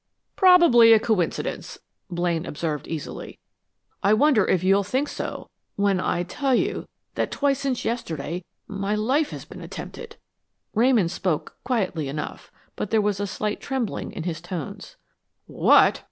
"Probably a mere coincidence," Blaine observed easily. "I wonder if you'll think so when I tell you that twice since yesterday my life has been attempted." Ramon spoke quietly enough, but there was a slight trembling in his tones. "What!"